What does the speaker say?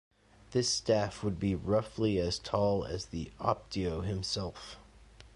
This staff would be roughly as tall as the "optio" himself.